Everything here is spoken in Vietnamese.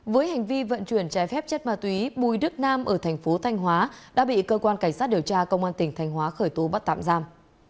với hành vi vận chuyển trái phép chất ma túy bùi đức nam ở thành phố thanh hóa đã bị cơ quan cảnh sát điều tra công an tỉnh thanh hóa khởi tố bắt tạm giam